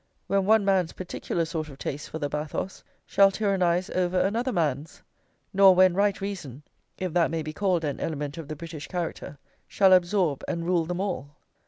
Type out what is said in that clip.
when one man's particular sort of taste for the bathos shall tyrannise over another man's; nor when right reason (if that may be called an element of the British character) shall absorb and rule them all.